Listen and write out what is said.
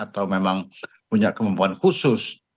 atau memang punya kemampuan khusus